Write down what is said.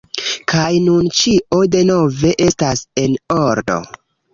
kaj nun ĉio denove estas en ordo: